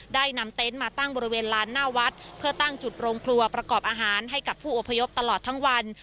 ได้นำเต็นต์มาตั้งบริเวณลานหน้าวัดเพื่อตั้งจุดโรงครัวประกอบอาหารให้กับผู้อพยพตลอดทั้งวัน